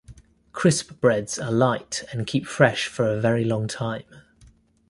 Crispbreads are light and keep fresh for a very long time.